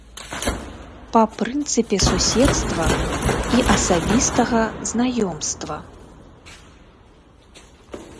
Па прынцыпе суседства і асабістага знаёмства.